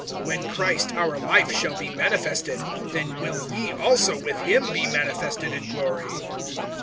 (4)When Christ, our life, shall be manifested, then will ye also with him be manifested in glory.